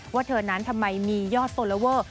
ว่าเธอนั้นทำไมมียอดฟอลลอเวอร์